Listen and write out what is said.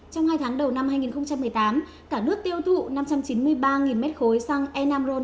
trong hai tháng đầu năm hai nghìn một mươi tám cả nước tiêu thụ năm trăm chín mươi ba m ba xăng enamron chín mươi hai